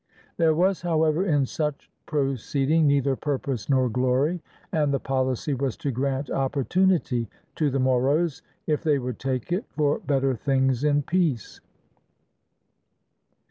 There was, however, in such proceeding neither purpose nor glory, and the policy was to grant opportunity to the Moros, if they would take it, for better things in peace.